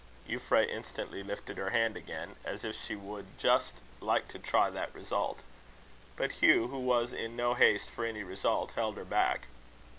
Euphra instantly lifted her hand again, as if she would just like to try that result. But Hugh, who was in no haste for any result, held her back.